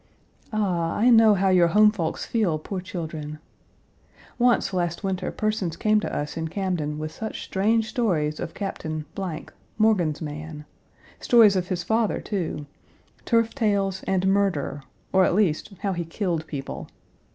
Ah, I know how your home folks feel, poor children! Once, last winter, persons came to us in Camden with such strange stories of Captain , Morgan's man; stories of his father, too; turf tales and murder, or, at least, how he killed people.